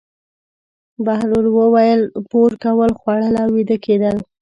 بهلول وویل: پور کول، خوړل او ویده کېدل.